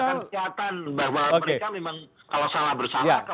kan kelihatan bahwa mereka memang kalau salah bersalah